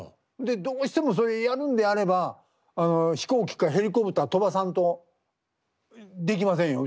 「どうしてもそれやるんであれば飛行機かヘリコプター飛ばさんとできませんよ」。